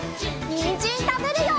にんじんたべるよ！